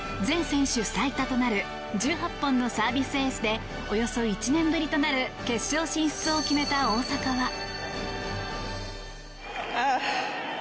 全選手最多となる１８本のサービスエースでおよそ１年ぶりとなる決勝進出を決めた大坂は。